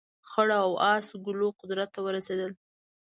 خړ او اس ګلو قدرت ته ورسېدل.